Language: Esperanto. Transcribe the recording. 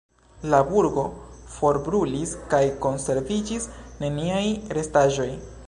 La burgo forbrulis kaj konserviĝis neniaj restaĵoj.